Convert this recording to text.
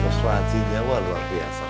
kesuasinya wah luar biasa